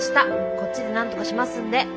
こっちでなんとかしますんで。